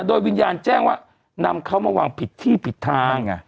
โดยวิญญาณแจ้งว่านำเขามาวางผิดที่ผิดทาง